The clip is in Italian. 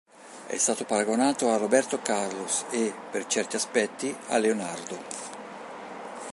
È stato paragonato a Roberto Carlos e, per certi aspetti, a Leonardo.